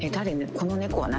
この猫は何？